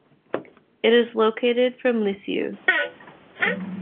It is located from Lisieux.